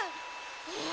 え！